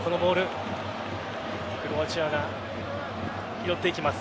クロアチアが拾っていきます。